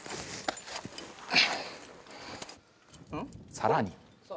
さらに。